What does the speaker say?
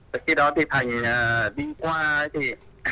và khi đó thì thành đi qua thì